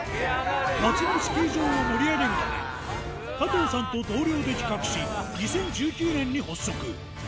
夏のスキー場を盛り上げるため、加藤さんと同僚で企画し、２０１９年に発足。